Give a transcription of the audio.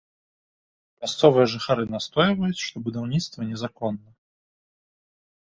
Мясцовыя жыхары настойваюць, што будаўніцтва незаконна.